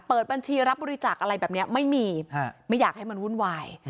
เปิดบัญชีรับบริจาคอะไรแบบนี้ไม่มีไม่อยากให้มันวุ่นวาย